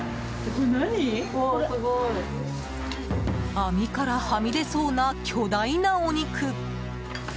網からはみ出そうな巨大なお肉。